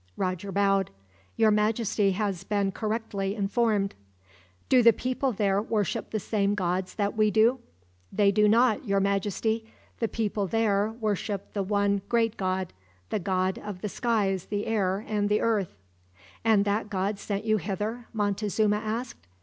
Roger bowed. "Your Majesty has been correctly informed." "Do the people there worship the same gods that we do?" "They do not, your Majesty. The people there worship the one Great God the God of the skies, the air, and the earth." "And that God sent you hither?" Montezuma asked.